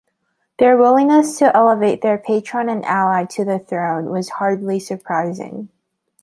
Their willingness to elevate their patron and ally to the throne was hardly surprising.